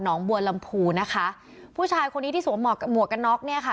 บัวลำพูนะคะผู้ชายคนนี้ที่สวมหกหมวกกันน็อกเนี่ยค่ะ